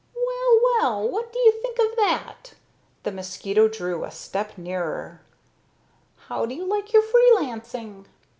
"Well, well, what do you think of that!" The mosquito drew a step nearer. "How do you like your free lancing?